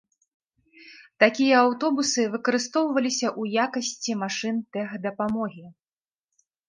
Такія аўтобусы выкарыстоўваліся ў якасці машын тэхдапамогі.